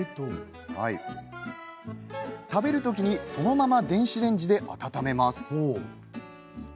食べるときにそのまま電子レンジで温めます。